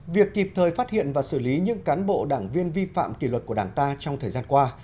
việc kịp thời phát hiện và xử lý những cán bộ đảng viên vi phạm kỷ luật của đảng ta trong thời gian qua